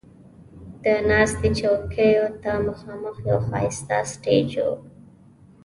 د ناستې چوکیو ته مخامخ یو ښایسته سټیج و.